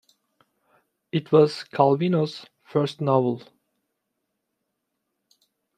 It was Calvino's first novel.